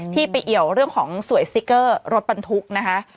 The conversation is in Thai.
ที่ไปเอ๋วเรื่องของสวยสิคเกอร์รถปันทุกนะคะ